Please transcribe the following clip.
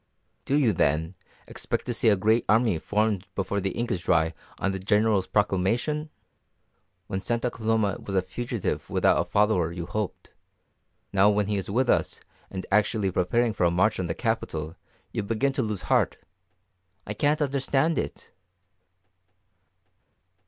"Do you, then, expect to see a great army formed before the ink is dry on the General's proclamation? When Santa Coloma was a fugitive without a follower you hoped; now when he is with us, and actually preparing for a march on the capital, you begin to lose heart I cannot understand it!"